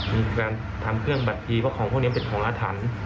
มีการทำเครื่องบัตรทีเพราะของพวกนี้เป็นของอาถรรพ์